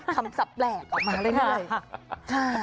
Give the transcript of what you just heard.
คำสับแปลกออกมาเรื่อย